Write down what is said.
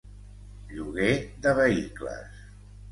Lloguer de vehicles.